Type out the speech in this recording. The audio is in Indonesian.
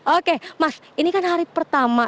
oke mas ini kan hari pertama